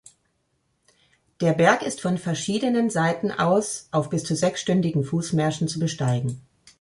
Der Berg ist von verschiedenen Seiten aus auf bis zu sechsstündigen Fußmärschen zu besteigen.